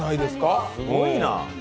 すごいな。